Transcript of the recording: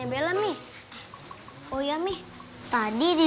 bidih merebak benda ya